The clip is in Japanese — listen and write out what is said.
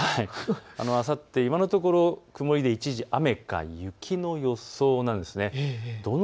あさって、今のところ、曇り一時雨の予想なんです。